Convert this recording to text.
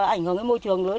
ảnh hưởng cái môi trường lớn